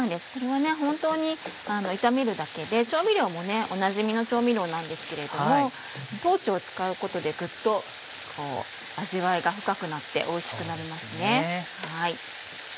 本当に炒めるだけで調味料もねおなじみの調味料なんですけれども豆を使うことでグッと味わいが深くなっておいしくなりますね。